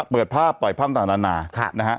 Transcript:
เปิดภาพปล่อยภาพต่าง